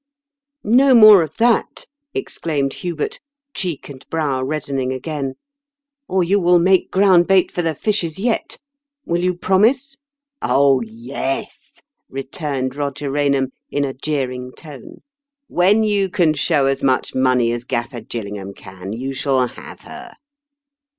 " "No more of that," exclaimed Hubert, cheek and brow reddening again, " or you will make ground bait for the fishes yet ! Will you promise ?"'* Oh yes I " returned Koger Rainham, in a jeering tone. " When you can show as much money as GaflFer Gillingham can, you shall have her."